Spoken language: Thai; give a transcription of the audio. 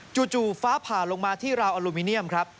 จู่ฟ้าผ่าลงมาที่ราวอลูมิเนียมครับ